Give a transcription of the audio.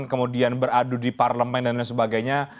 kemudian beradu di parlemen dan lain sebagainya